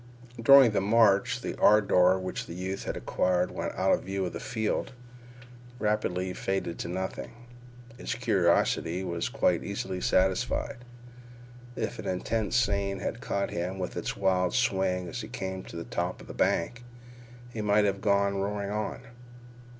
During the march the ardor which the youth had acquired when out of view of the field rapidly faded to nothing. His curiosity was quite easily satisfied. If an intense scene had caught him with its wild swing as he came to the top of the bank, he might have gone roaring on.